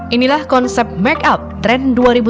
inilah konsep make up tren dua ribu sembilan belas